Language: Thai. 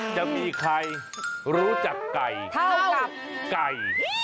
จะมีใครรู้จักไก่เท่ากับไก่